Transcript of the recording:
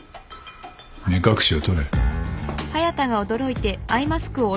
目隠しを取れ。